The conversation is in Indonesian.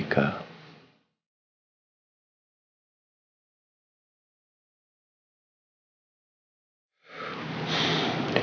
tidak ada yang bisa diberikan